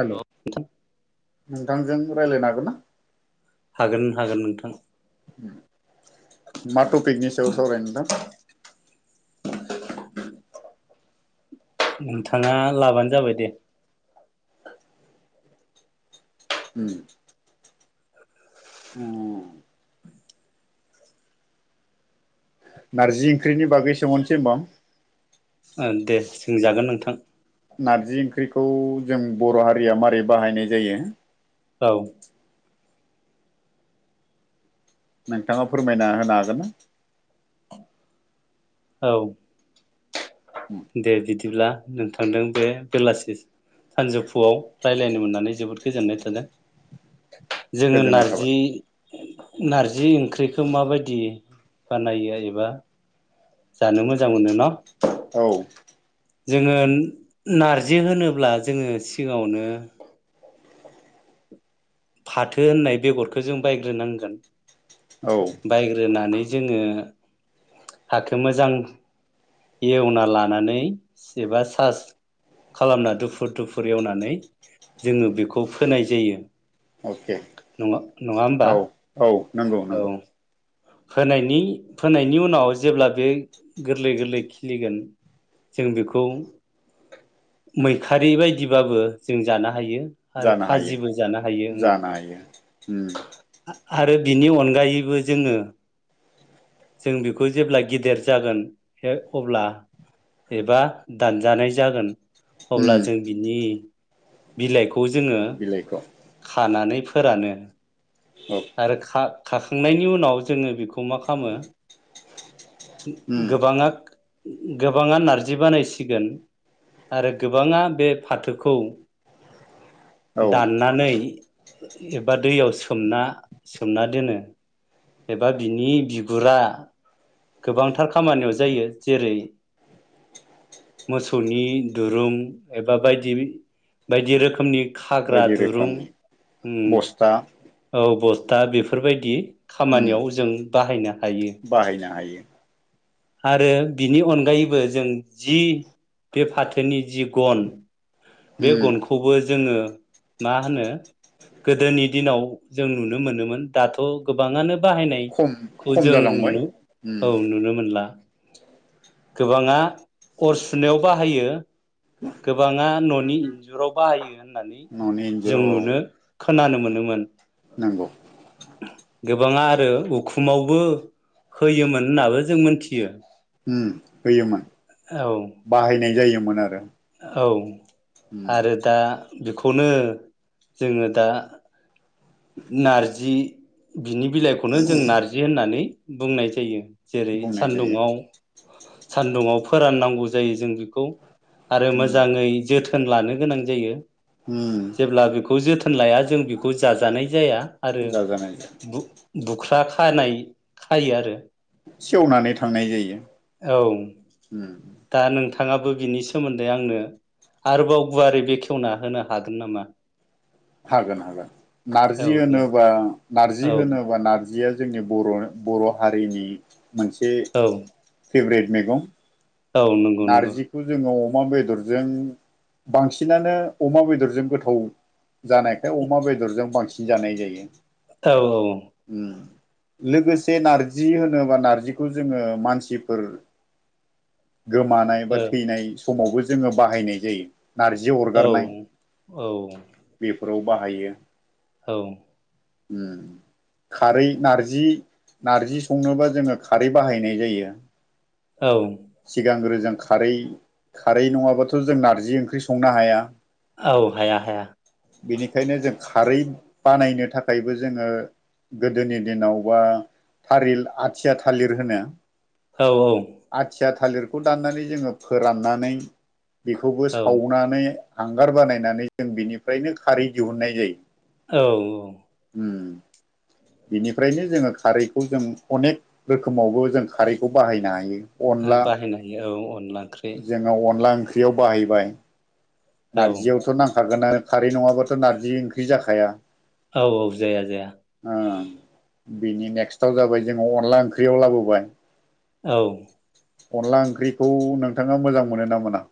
हेल' नोंथांजों राय्लायनो हागोन ना? हागोन हागोन नोंथां मा टपिकनि सायाव सावरायनो नोंथां? नोंथाङा लाबानो जाबाय दे ओम ओ नारजि ओंख्रिनि बागै सोंहरनोसै होनबा दे सोंजागोन नोंथां नारजि ओंख्रिखौ जों बर' हारिया मारै बाहायनाय जायो औ नोंथाङा फोरमायना होनो हागोन ना? औ दे बिदिब्ला नोंथांदों बे बेलासि सानजौफुआव रायज्लायनो मोननानै जोबोद गोजोननाय थादों जोङो गोजोननाय थाबाय नारजि नारजि ओंख्रिखौ माबायदि बानायो एबा जानो मोजां मोनो न'? औ जोङो नारजि होनोब्ला जोङो सिगावनो फाथो होननाय बेगरखौ जों बायग्रोनांगोन औ बायग्रोनानै जोङो फाथो मोजां एवना लानानै एबा सास खालामना दुफुर दुफुर एवनानै जोङो बेखौ फोनाय जायो। अके नङा नङा होमबा औ औ नंगौ औ नंगौ फोनायनि फोनायनि उनाव जेब्ला बे गोरलै गोरलै खिलिगोन जों बेखौ मैखारि बायदिबाबो जों जानो हायो। आरो जानो हायो फाजिबो जानो हायो ओं जानो हायो उम आरो बिनि अनगायैबो जोङो जों बेखौ जेब्ला गेदेर जागोन अब्ला एबा दानजानाय जागोन उम अब्ला जों बिनि बिलाइखौ जोङो बिलाइखौ खानानै फोरानो औ आरो खा खाखांनायनि उनाव जोङो बेखौ मा खालामो उम गोबाङा गोबाङा नारजि बानायसिगोन। आरो गोबाङा बे फाथोखौ। औ दाननानै एबा दैयाव सोमना। सोमना दोनो एबा बिनि बिगुरा गोबांथार खामानियाव जायो जेरै मोसौनि दुरुं एबा बायदि बायदि रोखोमनि खाग्रा बायदि दुरुं रोखोमनि उम बस्था औ बस्था बेफोरबायदि उम खामानियाव जों बाहायनो हायो। बाहायनो हायो आरो बिनि अनगायैबो जों जि बे फाथोनि जि गन बे उम गनखौबो जोङो मा होनो गोदोनि दिनाव जों नुनो मोनोमोन दाथ' गोबाङानो खम बाहायनायखौ खम जों जालांबाय नुनो उम औ नुनो मोनला। [inaudible] गोबाङा अर सुनायाव बाहायो। गोबाङा न'नि इन्जुराव बाहायो होननानै न'नि जों इन्जुराव नुनो खोनानो मोनोमोन। नंगौ गोबाङा आरो उखुमावबो होयोमोन होननाबो जों मोनथियो। उम होयोमोन औ बाहायनाय जायोमोन आरो। औ उम आरो दा बेखौनो जोङो दा नारजि बिनि बिलाइखौनो जों नार्जि होननानै बुंनाय जायो। जेरै बुंनाय जायो सानदुङाव सान्दुङाव फोराननांगौ जायो जों बि खौ आरो उम मोजाङै जोथोन लानो गोनां जायो। उम जेब्ला बेखौ जोथोन लाया जों बेखौ जाजानाय या आरो जाजानाय बु-बुख्रा खानाय खायो आरो। सेवनानै थांनाय जायो। औ उम दा नोंथा थाङाबो बिनि सोमोन्दै आंनो आरोबाव गुवारै बेखेवना होनो हागोन नामा? हागोन हागोन औ नार्जि दे होनोबा नार्जि औ होनोबा नार्जिया जोंनि बर'नो बर' हारिनि मोनसे औ फेभ्रेट मेगं। औ नंगौ नंगौ नार्जिखौ जोङो अमा बेदरजों बांसिनानो अमा बेदरजों गोथाव जानायखाय अमा बेदरजों बांसिन जानाय जायो। औ औ। उम लोगोसे नार्जि होनोबा नार्जिखौ जोङो मानसिफोर गोमानाय बा थैनाय समावबो जोङो बाहायनाय जायो। नार्जि औ अरगारनाय बेफोराव बाहायो। औ। उम। खारै नार्जि नार्जि संनोबा जोङो खारै बाहायनाय जायो। औ। सिगांग्रो जों खारै खारै नङाबाथ' जों नार्जि ओंख्रि संनो हाया। औ हाया हाया। बेनिखायनो जों खारै बानायनो थाखायबो जोङो गोदोनि दिनाव बा थारिल आथिया थालिर होनो औ औ। थिया थालिरखौ दाननानै जोङो फोराननानै बेखौबो औ सावनानै हांगार बानायनानै जों बिनिफ्रायनो खारै दिहुननाय जायो। औ औ। उम। बेनिफ्रायनो जोङो खारैखौ जों अनेक रोखोमावबो जों खारैखौ बाहायनो हायो।। अनला बाहायनो हायो औ अनला ओंख्रि जोङा अनला ओंख ख्रियाव बाहायबाय औ नार्जियावथ' नांग खागोनानो खारै नङाबाथ' नार्जि ओंख्रि जाखाया। औ औ जाया जाया। ओ बिनि नेक्स्टआव जाबाय जोङो अनला ओंख्रियाव लाबोबाय। औ। अनला ओंख्रिखौ नोंथाङा मोजां मोनो ना मोना?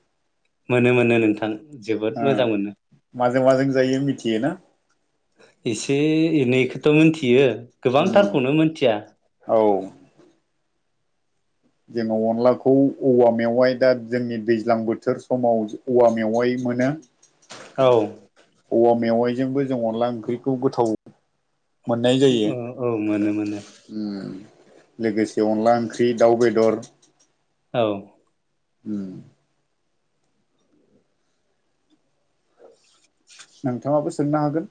मोनो मोनो नोंथां जोबोद मोजां ओ मोनो। माजों माजों जायो मिथियोना? एसे एनैखौथ मोन्थियो उम गोबांथारखौनो मोन्थिया। औ। जोङो अनलाखौ औवा मेवाइ दा जोंनि दैज्लां बोथोर समाव औवा मेवाइ मोनो। औ औवा मेवाइजोंबो जों अनला ओंख्रिखौ गोथाव औ मानो मोन ओम लोगोसे अनला ओंख्रि दाउ बेदर औ। उम। ओ। नोंथाङाबो सोंनो हागोन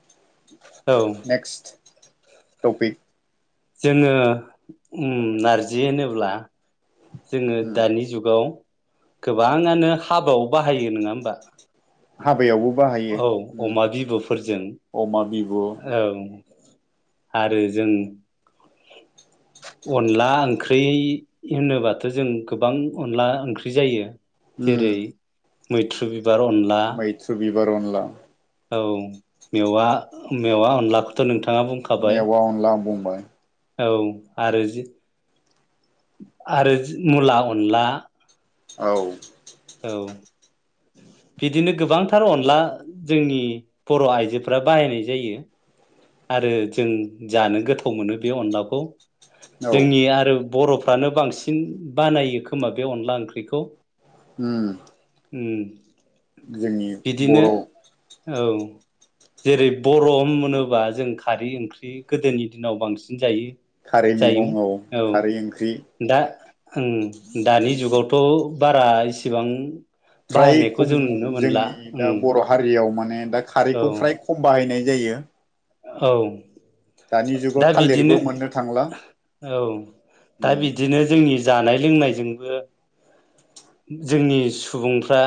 औ नेक्स्ट टपिक जोङो नारजि होनोब्ला जोङो उम दानि जुगाव गोबाङानो हाबायाव बाहायो नोंङा होमबा हाबायावबो बाहायो औ उम अमा बिबुफोरजों अमा बिबु औ आरो जों [inaudible] अनला ओंख्रि होनोबाथ जों गोबां अनला ओंख्रि जायो। जेरै उम मैथ्रु बिबार अनला बोरनला औ मेवा मेवा अनलाखौथ नोंथां मेवाअनलां बुंबाय औ आरो जि आरो मुला अनला औ। औ। बिदिनो गोबांथार अनला जोंनि बर' इजोफोरा बाहायनाय जायो। आरो जों जानो गोथाव मोनो बे अनलाखौ औ जोंनि आरो बरफ्रानो बांसिन बानायो खोमा बे अनला ओंख्रिखौ ओम। ओम बिदिनो बर' औ जेरै बर' होनोबा जों खारै ओंख्रि गोदोनि दिनाव बांसिन जायो। खारै जायोमोन मैगं औ खारै ओंख्रि दा ओं दानि जुगावथ बारा इसिबां फ्राय बाहायनायखौ खम जों नुनो मोनला जोंनि उम दा बर' हारियाव माने माने दा औ खारैखौ फ्राय खम बाहायनाय जायो औ। दानि जुगाव दा बिदिनो थालिरबो मोननो थांला औ दा उम बिदिनो जोंनि जानाय लोंनायजोंबो जोंनि सुबुंफ्रा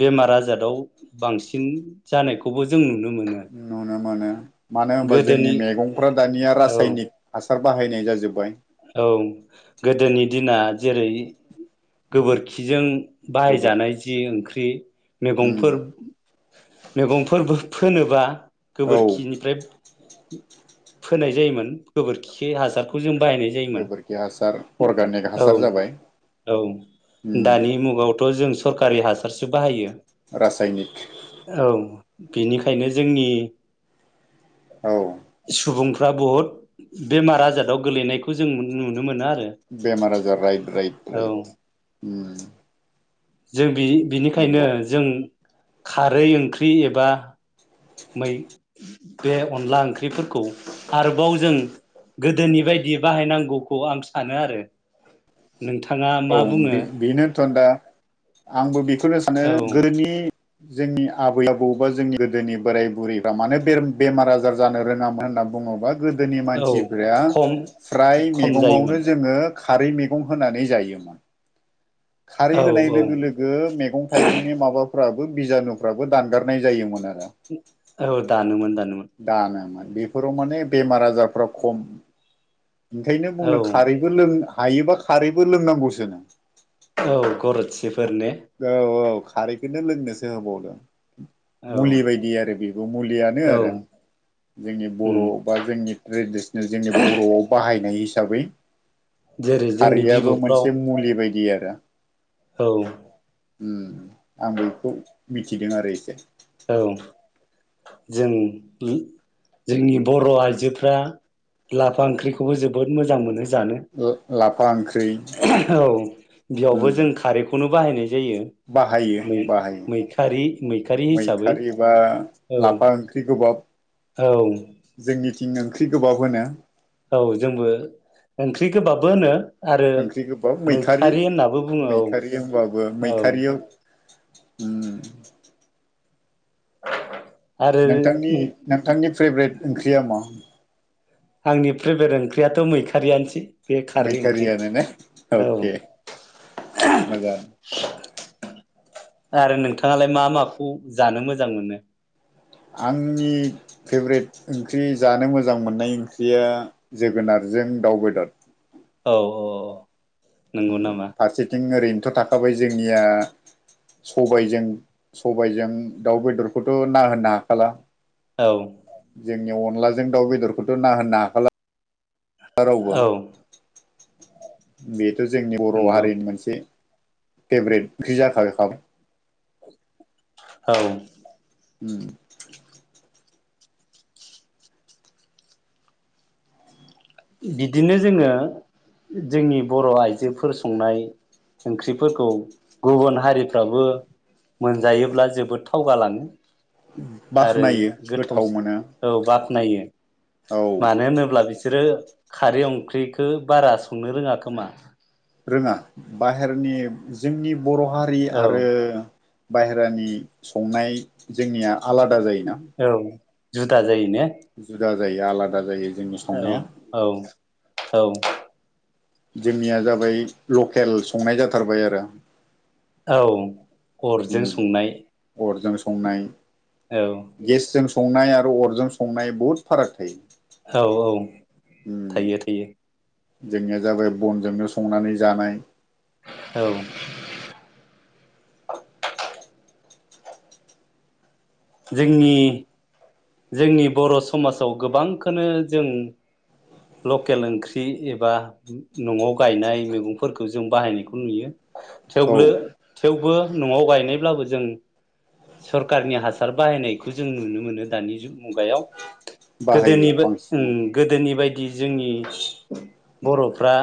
बेमार आजादाव बांसिन जानायखौबो जों नुनो मोनो नुनो मोनो मानो होनबा जोंनि गोदोनि मैगंफ्रा दानिया औ रासायनिक हासा हासार बाहायनाय जाजोब्बाय औ गोदोनि दिना जेरै गोबोरखिजों गोबोर बाहायजानाय जि ओंख्रि उम मैगंफोर मैगंफोरबो फोनोबा औ गोबोरखिनिफ्राय फोनाय जायोमोन गोबोरखि हासारखौ जों बाहायनाय जायोमोन। गोबोरखि हासार अर्गानिक हासार जाबाय औ। औ उम दानि मुगावथ' जों सरकारि हासारसो बाहायो रासायनिक औ बेनिखायनो जोंनि औ सुबुं फ्रा बहुत बेमार आजाराव गोलैनायखौ जों नुनो मोनो आरो बेमार आजार राइट राइट औ राइ जों बि बिनिखायनो जों खारै ओंख्रि एबा मै बे अनला ओंख्रिफोरखौ आरोबाव जों गोदोनि बायदि बाहायनांगौखौ आं सानो आरो। नोंथाङा औ मा बुङो बेनोथ' दा आंबो बेखौनो सानो औ गोदोनि जोंनि आबै आबौ बा जोंनि गोदोनि बोराय बुरैफ्रा मानो बे बेमार आजार जानो रोङामोन होनना बुङोबा गोदोनि औ मानसिफोरा खम फ्राय खम जायोमोन मैगङावनो जोङो खारै मैगं होनानै जायो। खारै औ होनाय औ लोगो लोगो मैगं थाइगंनि माबा फाबो बिजानुफ्राबो दानगारनाय जायोमोन आरो। औ दानोमोन द दानोमोन बेफोराव माने बेमार आजारफ्रा खम ओंखायनो औ बुंनो खारैबो लों हायोबा खारैबो लोंनांगौसो नों औ गरसेफोर ने? औ औ खारैखौनो लोंनोसो होबावदों औ मुलि बायदि आरो बेबो मुलियानो औ आरो। जोंनि बर' उम बा जोंनि ट्रेडिसनेल जोंनि बर'आव बाहायनाय हिसाबै जेरै जोंनि खारैयबो बिबुफ्राव मोनसे मुलि बायदि आरो। औ आं बैखौ मिथिदों आरो एसे औ जों जोंनि बर' आइजोफ्रा लाफा ओंख्रिखौबो जोबोद मोजां मोनो। जानो ला औ उम बेयावबो जों खारैखौनो बाहायनाय जायो। बाहायो ै बाहायो मैखारि मैखारि हिसाबै मैखारि बा औ लाफा ओंख्रि औ थिं ओंख्रि गोबाव होनो औ जोंबो ओंख्रि गोबाबबो होनो। आरो ओंख्रि गोबाव मैखारि होननाबो बुङो औ मैखारि होनबाबो औ मैखारियाव उ [unintelligible] नोंथांनि नोंथांनि फेभ्रेट ओंख्रिया मा? आंनि फ्रेभ्रेट ओंख्रियाथ' मैखारियानोसै। बे खारै ओंख्रि मैखारियानो न औ अके। माजार आरो नोंथाङालाय मा माखौ जानो मोजां मोनो? आंनि फेभ्रेट ओंख्रि जानो मोजां मोननाय ओंख्रिया जोगोनार जों दावबेदद। औ औ नंगौ नामा फारसेथिं ओरैनोथ' थाखाबाय जोंनिया सबायजों सबायजों दाउ बेदरखौथ' ना होनो हाखाला। औ जोंनि अनलाजों दाउ बेदरखौथ' ना होनो हाखाला रावबो औ बेथ' जोंनि बर' नंगौ हारिनि मोनसे फेभरेट ओंख्रि जाखागोनखा औ उ बिदिनो जोङो जोंनि बर' आइजोफोर संनाय ओंख्रिफोरखौ गुबुन हारिफ्राबो मोनजायोब्ला जोबोद थावगालाङो। आरो बाख्नायो गोथाव मोनो औ बाख्नायो। औ मानो होनोब्ला बिसो सोरो खारै ओंख्रिखौ बारा संनो रोङा खोमा। रोङा बाहेरनि जोंनि बर' हारि औ आरो बाहेरानि संनाय जोंनिया आलादा जायोना। औ जुदा जायो। ने जुदा जायो आलादा जायो। जोंनि संनाया औ औ औ। जोंनिया जाबाय लकेल संनाय जाथारबाय आरो। औ उम अरजों संनाय अरजों संनाय औ गेसजों संनाय आरो अरजों संनाय बुहुद फाराग थायो। औ औ उम थायो थायो जोंनिया जाबाय बनजोंनो संनानै जानाय औ। जोंनि जोंनि बर' समाजाव गोबांखौनो जों लकेल ओंख्रि एबा न'आव गायनाय मैगंफोरखौ जों बाहायनायखौ नुयो। औ थेवब्लो थेवबो न'आव गायनायब्लाबो जों सरकारनि हासार बाहायनायखौ जों नुनो मोनो दानि मुगायाव। बाहायो गोदोनिबो ओम बांसिनानो गोदोनि बायदि जोंनि बर'फ्रा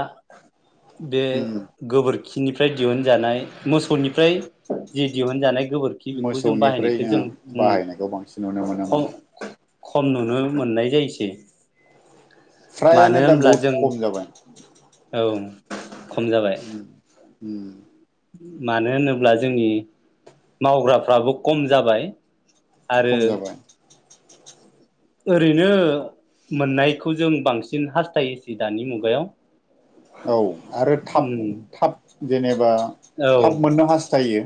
बे उम गोबोरखि खिनिफ्राय दिहुनजानाय मोसौनिफ्राय जि दिहुनजानाय गोबोरखि बेखौ जों मोसौनिफ्राय बाहायनायखौ जों ओ बाहायनायखौ बांसिन नुनो मोनोमोन उम खम नुनो मोननाय जायोसै। फ्रायानो मानो दा होनब्ला बहुद जों खम जाबाय औ खम जाबाय उम । उम मानो होनोब्ला जोंनि मावग्राफ्राबो खम जाबाय। आरो खम जाबाय । ओरैनो मोननायखौ जों बांसिन हास्थायोसै दानि मुगायाव। औ आरो थाब उम थाब जेनेबा औ थाब मोननो हास्थायो।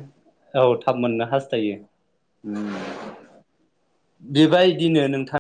औ थाब मोननो हास्थायो। होम। बेबायदिनो नोंथां